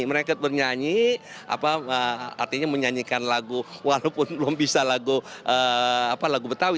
mereka bernyanyi artinya menyanyikan lagu walaupun belum bisa lagu betawi